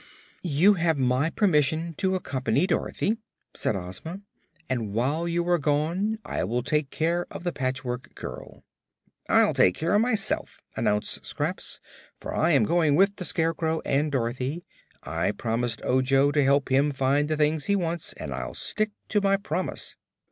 "You have my permission to accompany Dorothy," said Ozma. "And while you are gone I will take care of the Patchwork Girl." "I'll take care of myself," announced Scraps, "for I'm going with the Scarecrow and Dorothy. I promised Ojo to help him find the things he wants and I'll stick to my promise."